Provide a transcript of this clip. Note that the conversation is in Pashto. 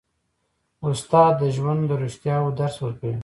استاد د ژوند د رښتیاوو درس ورکوي.